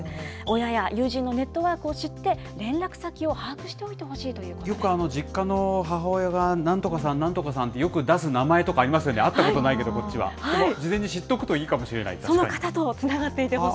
親や友人のネットワークを知って、連絡先を把握しておいてほしいとよく実家の母親が、なんとかさん、なんとかさんって、よく出す名前とかありますよね、会ったことないけど、こっちは。